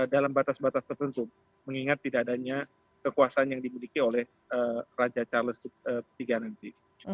dalam batas batas tertentu mengingat tidak adanya kekuasaan yang dimiliki oleh raja charles iii nanti